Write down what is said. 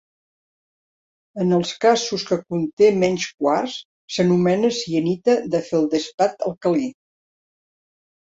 En els casos que conté menys quars s'anomena sienita de feldespat alcalí.